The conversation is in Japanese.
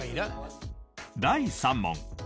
第３問。